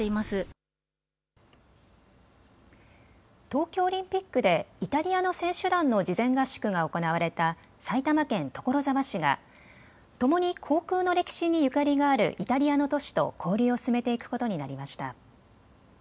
東京オリンピックでイタリアの選手団の事前合宿が行われた埼玉県所沢市がともに航空の歴史にゆかりがあるイタリアの都市と交流を進めていくことになりました。